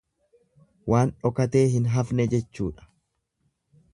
Waan dhokatee hin hafne jechuudha.